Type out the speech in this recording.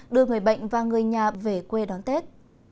đưa người bệnh và người nhà về quê đón tết